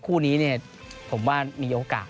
คู่นี้ผมว่ามีโอกาส